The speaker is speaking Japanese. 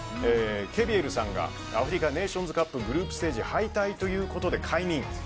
ケビエルさんがアフリカネーションズカップグループステージ敗退ということで解任。